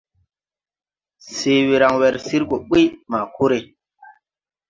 Se we raŋ wer sir gɔ ɓuy, ma kore.